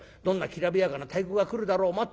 どんなきらびやかな太鼓が来るだろう。